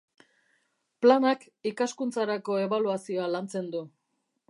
Planak ikaskuntzarako ebaluazioa lantzen du.